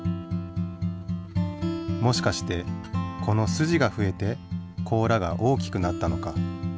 もしかしてこのすじがふえて甲羅が大きくなったのか？